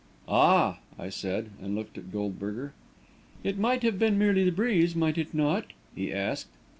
"Ah!" I said, and looked at Goldberger. "It might have been merely the breeze, might it not?" he asked.